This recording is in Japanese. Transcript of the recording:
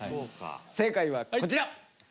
正解はこちら！